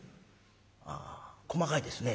「あ細かいですね。